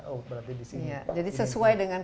oh berarti di sini ya jadi sesuai dengan